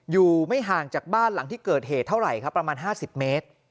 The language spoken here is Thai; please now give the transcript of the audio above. อยู่ไม่ห่างจากบ้านหลังที่เกิดเหตุเท่าไหร่ครับประมาณ๕๐เมตร